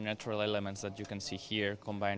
jadi misalnya elemen alam semesta yang bisa kita lihat disini